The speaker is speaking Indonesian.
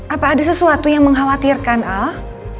apa ada sesuatu yang mengkhawatirkan al